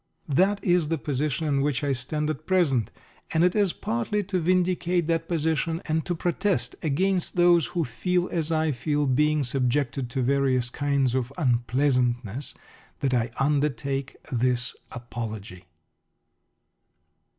That is the position in which I stand at present, and it is partly to vindicate that position, and to protest against those who feel as I feel being subjected to various kinds of "unpleasantness," that I undertake this Apology.